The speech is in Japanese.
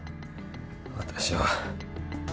私は